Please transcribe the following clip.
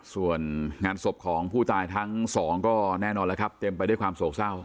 ส่วนงานศพของผู้ตายทั้งสองก็แน่นอนแล้วครับเต็มไปด้วยความโศกเศร้า